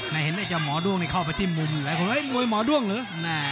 น่าเห็นไอ้เจ้าหมอด้วงนี่เข้าไปที่มุมอยู่เลยเุ้าแบบโยยหมอด้วงหรือ